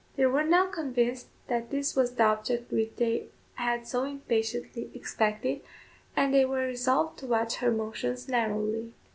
They were now convinced that this was the object which they had so impatiently expected, and they were resolved to watch her motions narrowly.